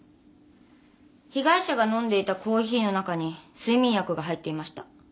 被害者が飲んでいたコーヒーの中に睡眠薬が入っていました。